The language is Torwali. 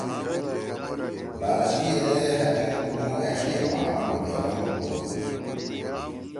لالچ می یدے ہأئمُو تُنو أݜیئے ما آمن بیغم کودُو۔